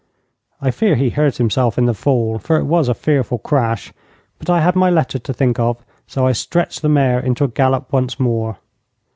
I fear he hurt himself in the fall, for it was a fearful crash, but I had my letter to think of, so I stretched the mare into a gallop once more.